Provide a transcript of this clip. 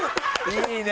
いいね！